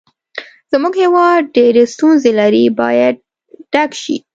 زموږ هېواد ډېرې ستونزې لري باید ډک شي.